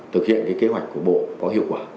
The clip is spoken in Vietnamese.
thực hiện kế hoạch của bộ có hiệu quả